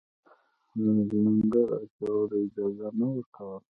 لنګر اچولو اجازه نه ورکوله.